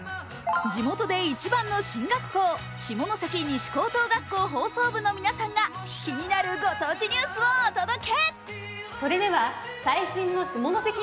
地元で一番の進学校、下関西高校放送部の皆さんが気になるご当地ニュースをお届け。